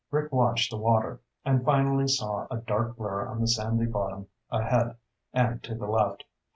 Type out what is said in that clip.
Rick watched the water, and finally saw a dark blur on the sandy bottom ahead and to the left.